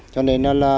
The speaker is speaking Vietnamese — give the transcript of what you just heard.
cho nên là